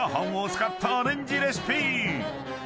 ［アレンジレシピ！］